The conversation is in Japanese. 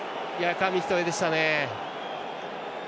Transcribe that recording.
紙一重でしたね。